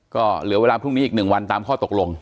ก็เหลือเวลาพรุ่งนี้อีก๑วันตามข้อตกลง